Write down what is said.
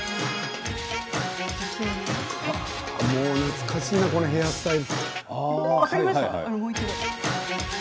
懐かしいなこのヘアスタイル。